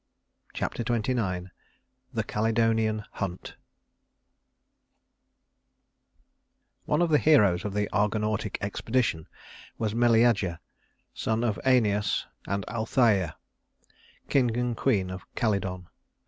Chapter XXIX The Calydonian Hunt One of the heroes of the Argonautic expedition was Meleager, son of Œneus and Althæa, king and queen of Calydon.